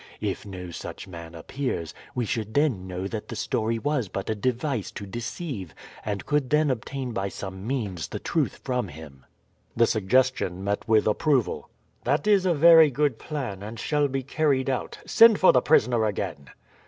If no such man appears we should then know that the story was but a device to deceive, and could then obtain by some means the truth from him." The suggestion met with approval. "That is a very good plan, and shall be carried out. Send for the prisoner again."